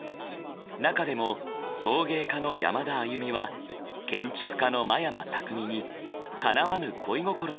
中でも陶芸科の山田あゆみは建築科の真山巧にかなわぬ恋心を募らせていた。